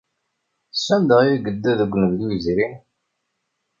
Sanda ay yedda deg unebdu yezrin?